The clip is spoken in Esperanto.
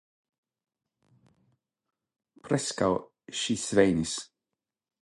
Preskaŭ ŝi svenis.